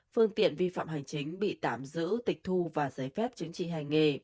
phương tiện vi phạm hành chính bị tạm giữ tịch thu và giấy phép chứng trị hành nghề